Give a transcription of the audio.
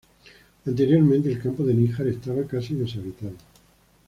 Anteriormente el Campo de Níjar estaba casi deshabitado.